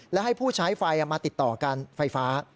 และให้ผู้ใช้ไฟมาติดต่อการไฟฟ้า